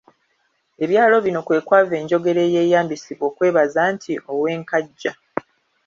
Ebyalo bino kwe kwava enjogera eyeeyambisibwa okwebaza nti Ow'e Nkajja.